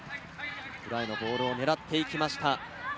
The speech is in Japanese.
裏へのボールを狙っていきました。